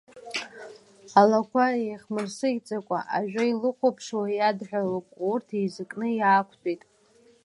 Алақәа еихмырсыӷьӡакәа ажәа илыхәаԥшуа иадҳәалоуп, урҭ еизакны иаақәтәеит.